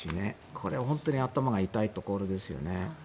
これは本当に頭が痛いところですよね。